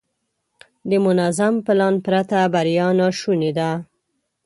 د منظم پلان پرته بریا ناشونې ده.